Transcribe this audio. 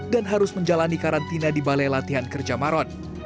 dan harus menjalani karantina di balai latihan kerja maron